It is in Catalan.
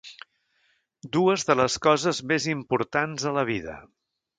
Dues de les coses més importants a la vida.